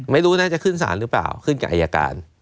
ไม่รู้น่าจะขึ้นสารหรือเปล่าขึ้นกับอายการ